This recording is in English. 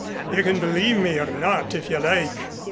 You can believe me or not if you like.